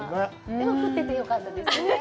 でも降っててよかったですね。